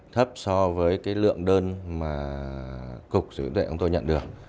thấp so với lượng đơn mà cục sở hữu trí tuệ của chúng tôi nhận được